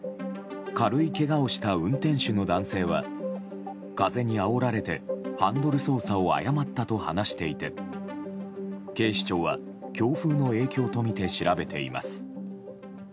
軽いけがをした運転手の男性は風にあおられてハンドル操作を誤ったと話していて警視庁は強風の影響とみて調べています。